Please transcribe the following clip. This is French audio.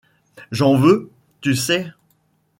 J’en veux, tu sais.